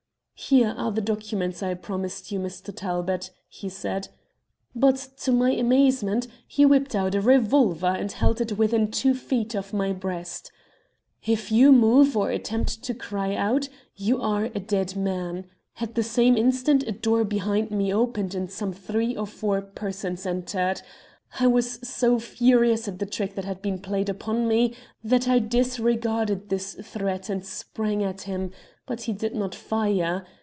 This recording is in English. "'Here are the documents I promised you, Mr. Talbot,' he said; but, to my amazement, he whipped out a revolver and held it within two feet of my breast. "'If you move, or attempt to cry out, you are a dead man!' he cried. "At the same instant a door behind me opened and some three or four persons entered. I was so furious at the trick that had been played upon me that I disregarded his threat and sprang at him, but he did not fire.